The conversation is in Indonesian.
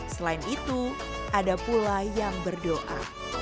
selain itu ada pula yang berdoa